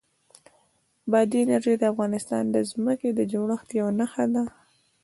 بادي انرژي د افغانستان د ځمکې د جوړښت یوه نښه ده.